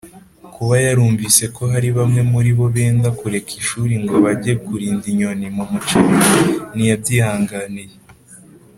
kuba yarumvise ko hari bamwe muri bo benda kureka ishuri ngo bage kurinda inyoni mu muceri ntiyabyihanganiye.